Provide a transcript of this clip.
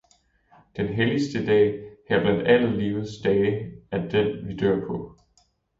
Den helligste dag her blandt alle livets dage er den, vi dør på.